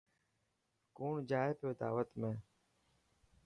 ڪوڻ جائي پيو داوت ۾.